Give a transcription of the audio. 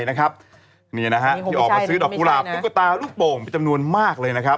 ที่ออกมาซื้อดอกกุหลาบนูกตาลูกโป่งเป็นจำนวนมากเลย